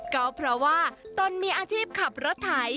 ก็เพราะว่าตนมีอาชีพขับรถไถ